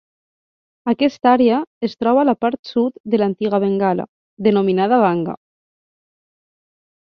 Aquesta àrea es troba a la part sud de l'antiga Bengala, denominada Vanga.